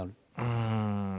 うん。